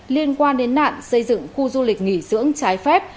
liên quan đến nạn xây dựng khu du lịch nghỉ dưỡng trái phép